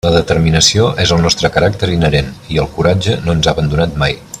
La determinació és el nostre caràcter inherent, i el coratge no ens ha abandonat mai.